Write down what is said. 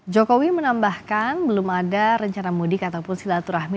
jokowi menambahkan belum ada rencana mudik ataupun silaturahmi